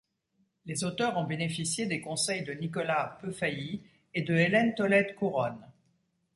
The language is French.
Les auteurs ont bénéficié des conseils de Nicolas Peufaillit et de Hélène Tolède-Couronne.